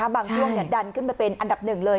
บางช่วงดันขึ้นไปเป็นอันดับหนึ่งเลย